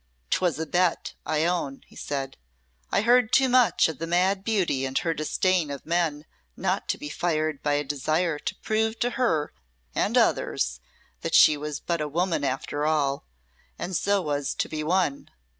"'Twas a bet, I own," he said; "I heard too much of the mad beauty and her disdain of men not to be fired by a desire to prove to her and others, that she was but a woman after all, and so was to be won.